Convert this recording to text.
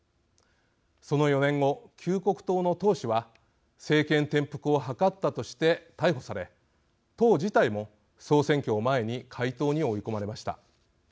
その４年後救国党の党首は政権転覆をはかったとして逮捕され党自体も総選挙を前に解党に追い込まれました。